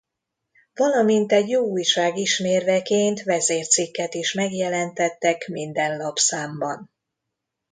Valamint egy jó újság ismérveként vezércikket is megjelentettek minden lapszámban.